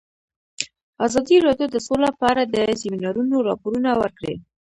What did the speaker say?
ازادي راډیو د سوله په اړه د سیمینارونو راپورونه ورکړي.